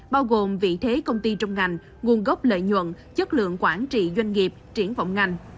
bao gồm vị thế công ty trong ngành nguồn gốc lợi nhuận chất lượng quản trị doanh nghiệp triển vọng ngành